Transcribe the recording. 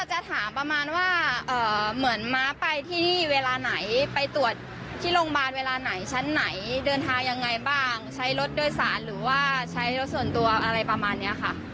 จะถามประมาณว่าเหมือนม้าไปที่นี่เวลาไหนไปตรวจที่โรงพยาบาลเวลาไหนชั้นไหนเดินทางยังไงบ้างใช้รถโดยสารหรือว่าใช้รถส่วนตัวอะไรประมาณนี้ค่ะ